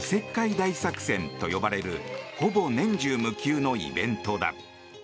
大作戦と呼ばれるほぼ年中無休のイベントだ。